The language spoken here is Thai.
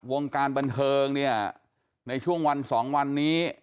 วงการบันเทิงเนี่ยในช่วงวันสองวันนี้